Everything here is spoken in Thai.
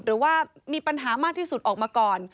หรือว่ามีปัญหามากที่สุดออกมาก่อน